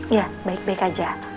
iya baik baik aja